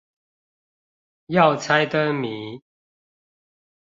要猜燈謎